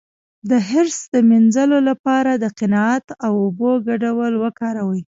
د حرص د مینځلو لپاره د قناعت او اوبو ګډول وکاروئ